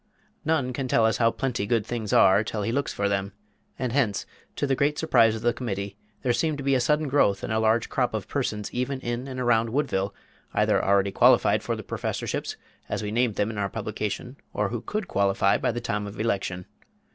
None can tell us how plenty good things are till he looks for them; and hence, to the great surprise of the Committee, there seemed to be a sudden growth and a large crop of persons even in and around Woodville, either already qualified for the "Professorships," as we named them in our publication, or who could "qualify" by the time of election.